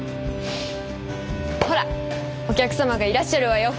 ほらお客様がいらっしゃるわよ！